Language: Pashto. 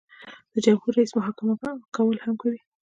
د جمهور رئیس محاکمه کول هم کوي.